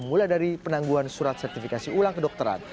mulai dari penangguhan surat sertifikasi ulang kedokteran